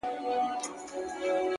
د زيارتـونو يې خورده ماتـه كـړه ـ